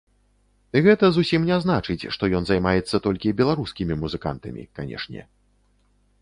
Гэта зусім не значыць, што ён займаецца толькі беларускімі музыкантамі, канешне.